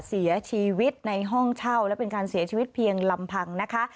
เสียชีวิตในห้องเช่าและเป็นการเสียชีวิตเพียงลำพังนะคะ